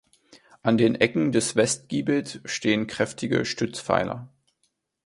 An den Ecken des Westgiebels stehen kräftige Stützpfeiler.